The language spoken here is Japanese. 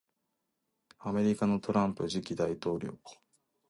米国のトランプ次期大統領